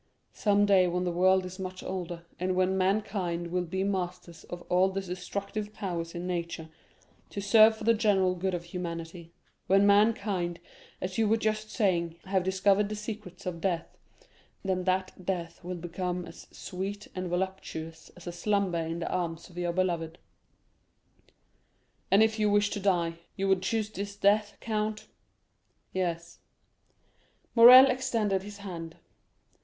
Some day, when the world is much older, and when mankind will be masters of all the destructive powers in nature, to serve for the general good of humanity; when mankind, as you were just saying, have discovered the secrets of death, then that death will become as sweet and voluptuous as a slumber in the arms of your beloved." "And if you wished to die, you would choose this death, count?" "Yes." Morrel extended his hand.